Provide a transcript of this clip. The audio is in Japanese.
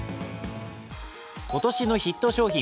今年のヒット商品